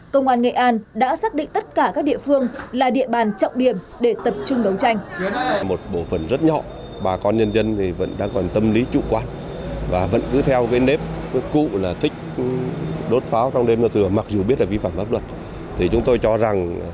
công an nghệ an đã xác định tất cả các địa phương là địa bàn trọng điểm để tập trung đấu tranh